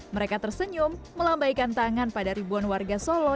mereka tersenyum melambaikan tangan pada ribuan warga solo